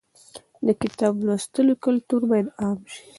د کتاب لوستلو کلتور باید عام شي.